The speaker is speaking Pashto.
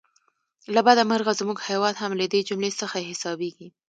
له بده مرغه زموږ هیواد هم له دې جملې څخه حسابېږي.